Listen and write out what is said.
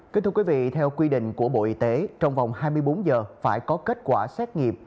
kính thưa quý vị theo quy định của bộ y tế trong vòng hai mươi bốn giờ phải có kết quả xét nghiệm